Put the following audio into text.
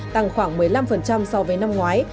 tăng khoảng một mươi năm so với năm ngoái